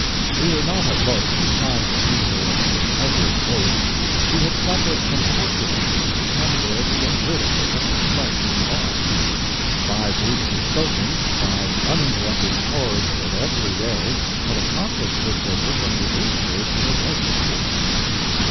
We were not at Leuk in time to see her at her heaviest weight. She had suffered from corpulence and had come there to get rid of her extra flesh in the baths. Five weeks of soaking five uninterrupted hours of it every day had accomplished her purpose and reduced her to the right proportions.